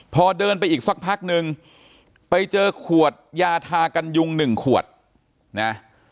พอเดินไปอีกสักพักนึงไปเจอขวดยาทากันยุงหนึ่งขวดนะ